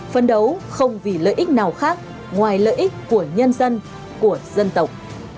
phấn đấu không vì lợi ích nào khác ngoài lợi ích của nhân dân của dân tộc